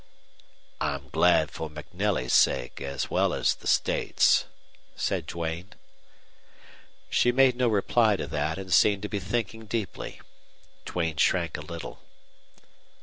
"I'm glad for MacNelly's sake as well as the state's," said Duane. She made no reply to that and seemed to be thinking deeply. Duane shrank a little.